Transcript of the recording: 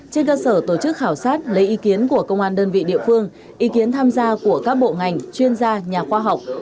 trên cơ sở tổ chức khảo sát lấy ý kiến của công an đơn vị địa phương ý kiến tham gia của các bộ ngành chuyên gia nhà khoa học